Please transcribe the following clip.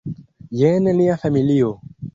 Jen nia familio.